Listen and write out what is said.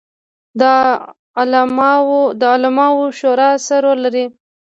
د علماوو شورا څه رول لري؟